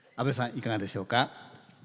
いかがでしょうか。